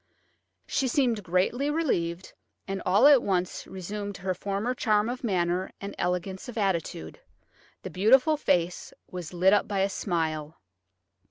She seemed greatly relieved, and all at once resumed her former charm of manner and elegance of attitude. The beautiful face was lit up by a smile.